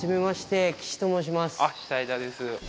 下枝です。